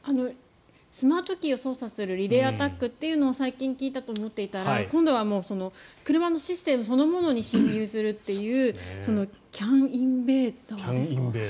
スマートキーを操作するリレーアタックというのを最近聞いたと思っていたら今度はもう、車のシステムそのものに侵入するというＣＡＮインベーダーですか。